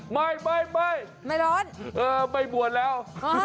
ไม่ไม่ร้อนไม่บวชแล้ว